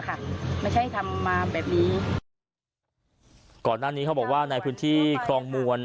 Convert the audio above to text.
ค่ะไม่ใช่ทำมาแบบนี้ก่อนหน้านี้เขาบอกว่าในพื้นที่ครองมวล